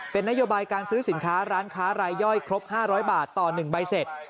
เป็นนโยบายการซื้อสินค้าร้านค้ารายย่อยครบ๕๐๐บาทต่อ๑ใบเสร็จ